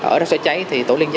ở đó sẽ cháy thì tổ liên gia